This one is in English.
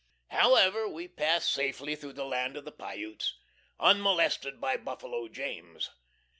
.... However, we pass safely through the land of the Piutes, unmolested by Buffalo James.